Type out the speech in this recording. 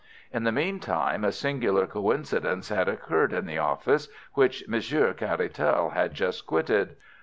In the meantime a singular coincidence had occurred in the office which Monsieur Caratal had just quitted.